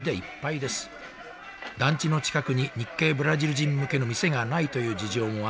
団地の近くに日系ブラジル人向けの店がないという事情もあって大繁盛です